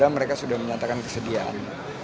mereka sudah menyatakan kesediaan